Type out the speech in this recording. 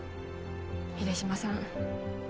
秀島さん